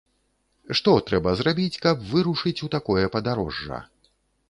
Што трэба зрабіць, каб вырушыць у такое падарожжа?